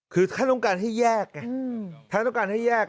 คือแค่ต้องการให้แยกแค่ต้องการให้แยก